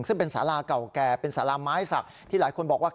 ซึ่งเป็นสาลากล่าวแก่เป็นสาลาม้ายศักดิ์ที่หลายคนบอกว่า